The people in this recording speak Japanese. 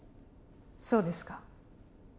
そうですか。